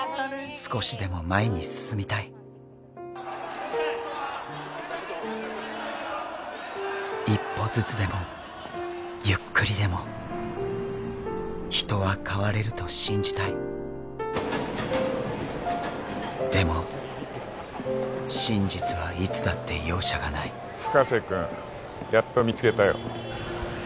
少しでも前に進みたい一歩ずつでもゆっくりでも人は変われると信じたいでも真実はいつだって容赦がない深瀬君やっと見つけたよ